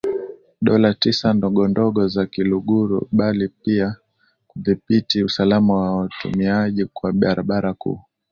Dola Tisa ndogondogo za Kiluguru bali pia kudhibiti usalama wa watumiaji wa barabara kuu